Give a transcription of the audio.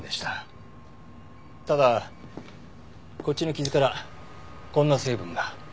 ただこっちの傷からこんな成分が。